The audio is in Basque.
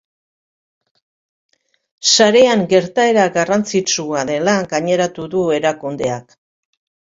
Sarean gertaera garrantzitsua dela gaineratu erakundeak.